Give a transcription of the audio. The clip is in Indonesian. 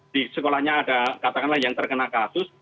di sekolahnya ada katakanlah yang terkena kasus